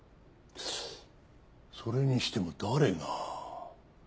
それにしても誰が？